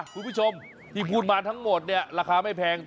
คุณผู้ชมที่พูดมาทั้งหมดเนี่ยราคาไม่แพง